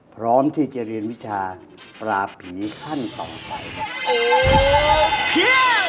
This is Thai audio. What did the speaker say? พร้อมที่จะเรียนวิชาปราผีขั้นต่อไปครับ